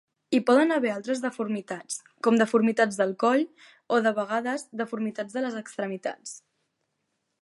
Hi poden haver altres deformitats, com deformitats del coll o, de vegades, deformitats de les extremitats.